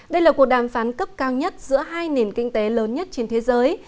đây là cuộc đàm phán cấp cao nhất giữa hai nền kinh tế lớn nhất trên thế giới